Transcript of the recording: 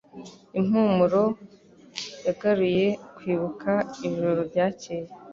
Impumuro yagaruye kwibuka ijoro ryakeye.